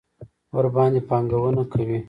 ورباندې پانګونه کوي.